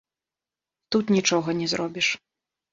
Тут нічога не зробіш.